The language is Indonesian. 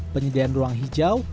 penyediaan ruang hijau